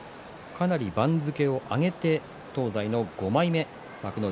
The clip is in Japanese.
かなり番付を上げて東西の５枚目幕内